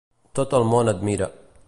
tot el món admira.